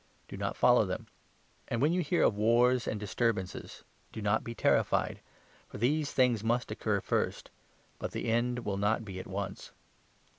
Do not follow them. And, when you hear of wars 9 and disturbances, do not be terrified, for these things must occur first ; but the end will not be at once."